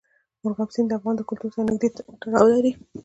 مورغاب سیند د افغان کلتور سره نږدې تړاو لري.